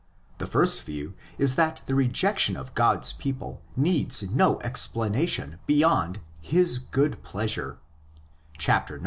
The first view is that the rejection of God's people needs no explana tion beyond his good pleasure (ix.